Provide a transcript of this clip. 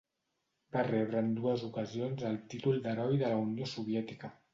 Va rebre en dues ocasions el títol d'Heroi de la Unió Soviètica.